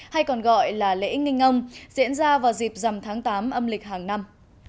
hay còn gọi là lễ nghinh ngông diễn ra vào dịp dầm tháng tám âm lịch hàng năm